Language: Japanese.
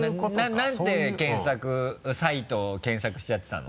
何て検索サイトを検索しちゃってたの？